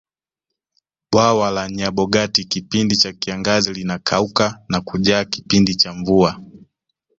bwawa la nyabogati kipindi cha kiangazi linakauka na kujaa kipindi cha mvua